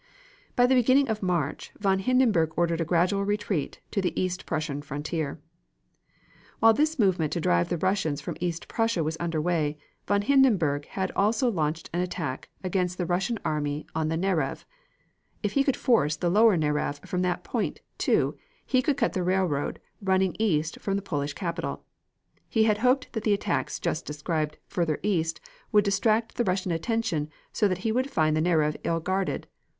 By the beginning of March, von Hindenburg ordered a gradual retreat to the East Prussian frontier. While this movement to drive the Russians from East Prussia was under way, von Hindenburg had also launched an attack against the Russian army on the Narev. If he could force the lower Narev from that point, too, he could cut the railroad running east from the Polish capital. He had hoped that the attacks just described further east would distract the Russian attention so that he would find the Narev ill guarded.